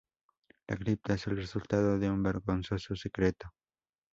La cripta es el resultado de un vergonzoso secreto.